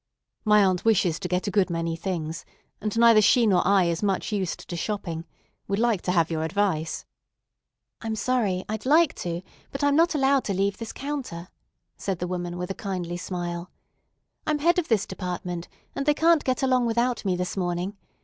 "My aunt wishes to get a good many things, and neither she nor I is much used to shopping. We'd like to have your advice." "I'm sorry; I'd like to, but I'm not allowed to leave this counter," said the woman with a kindly smile. "I'm head of this department, and they can't get along without me this morning.